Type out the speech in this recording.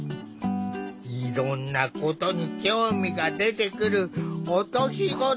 いろんなことに興味が出てくるお年頃だ。